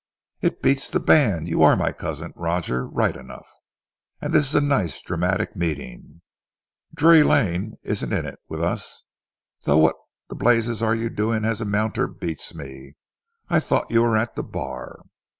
"It beats the band. You are my cousin Roger right enough, and this is a nice dramatic meeting. Drury Lane isn't in it with us, though what the blazes you are doing as a 'Mounter' beats me. I thought you were at the bar."